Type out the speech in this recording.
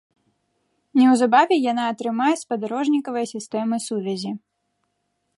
Неўзабаве яна атрымае спадарожнікавыя сістэмы сувязі.